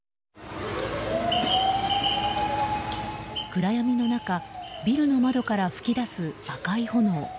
暗闇の中ビルの窓から噴き出す赤い炎。